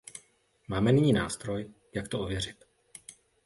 Máme nyní nástroj, jak to ověřit.